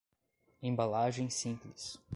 Embalagem simples